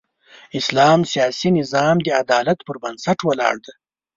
اسلام سیاسي نظام د عدالت پر بنسټ ولاړ دی.